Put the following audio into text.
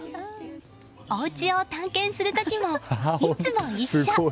おうちを探検する時もいつも一緒。